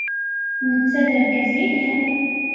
Netta d argaz yelhan.